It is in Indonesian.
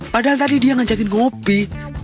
padahal tadi dia ngajakin kopi